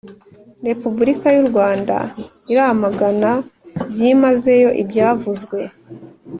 repubulika y'u rwanda iramagana byimazeyo ibyavuzwe